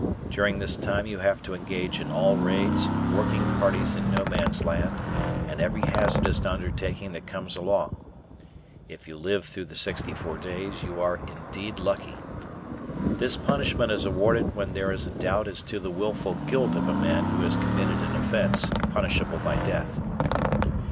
During this time you have to engage in all raids, working parties in No Man's Land, and every hazardous undertaking that comes along. If you live through the sixty four days you are indeed lucky. This punishment is awarded where there is a doubt as to the willful guilt of a man who has committed an offence punishable by death.